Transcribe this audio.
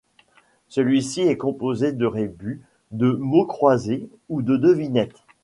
Celui-ci est composé de rébus, de mots croisés ou de devinettes.